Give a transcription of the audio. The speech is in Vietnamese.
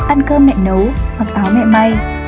ăn cơm mẹ nấu mặc áo mẹ may